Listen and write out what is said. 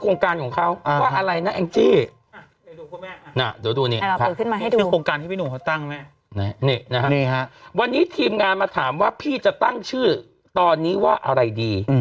นี่ฮะวันนี้ทีมงานมาถามว่าพี่จะตั้งชื่อตอนนี้ว่าอะไรดี